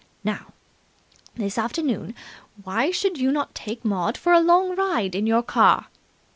"Now, this afternoon, why should you not take Maud for a long ride in your car?"